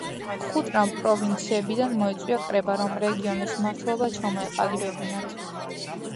ხუნტამ პროვინციებიდან მოიწვია კრება, რომ რეგიონის მმართველობა ჩამოეყალიბებინათ.